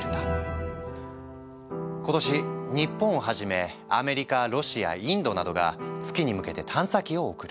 今年日本をはじめアメリカロシアインドなどが月に向けて探査機を送る。